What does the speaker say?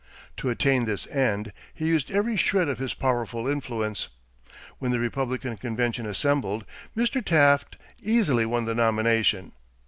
To attain this end he used every shred of his powerful influence. When the Republican convention assembled, Mr. Taft easily won the nomination.